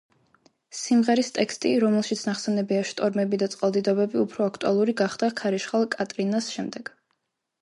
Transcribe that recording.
სიმღერის ტექსტი, რომელშიც ნახსენებია შტორმები და წყალდიდობები, უფრო აქტუალური გახდა ქარიშხალ კატრინას შემდეგ.